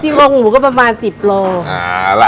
ซีโครงหมูก็ประมาณ๑๐ล็อท